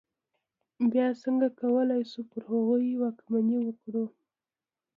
بیا څنګه کولای شو پر هغوی واکمني وکړو.